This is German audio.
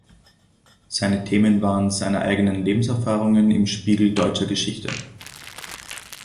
Seine Thema waren seine eigenen Lebenserfahrungen im Spiegel deutscher Geschichte.